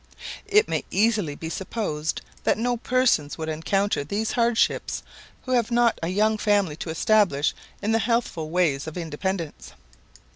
It may easily be supposed that no persons would encounter these hardships who have not a young family to establish in the healthful ways of independence.